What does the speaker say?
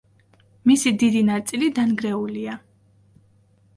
მისი დიდი ნაწილი დანგრეულია.